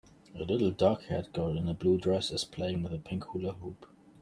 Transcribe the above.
A little darkhaired girl in a blue dress is playing with a pink Hula Hoop.